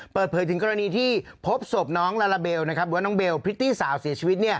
เปิดเผยถึงกรณีที่พบศพน้องลาลาเบลหรือว่าน้องเบลพริตตี้สาวเสียชีวิต